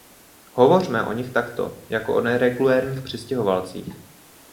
Hovořme o nich takto, jako o neregulérních přistěhovalcích.